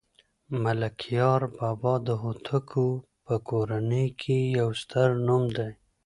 ملکیار بابا د هوتکو په کورنۍ کې یو ستر نوم دی